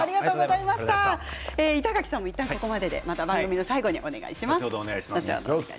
板垣さんもいったんここまでで番組の最後にまたお願いします。